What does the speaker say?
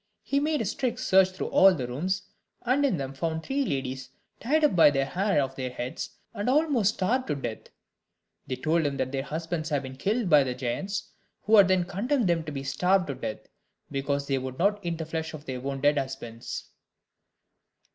He made a strict search through all the rooms, and in them found three ladies tied up by the hair of their heads, and almost starved to death. They told him that their husbands had been killed by the giants, who had then condemned them to be starved to death, because they would not eat the flesh of their own dead husbands.